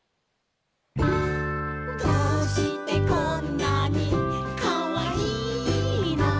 「どうしてこんなにかわいいの」